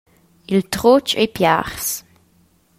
Il trutg ei piars.